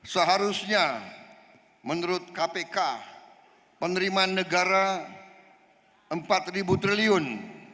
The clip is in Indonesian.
seharusnya menurut kpk penerimaan negara rp empat triliun